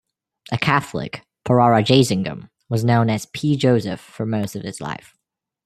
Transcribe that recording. A Catholic, Pararajasingham was known as P. Joseph for most of his life.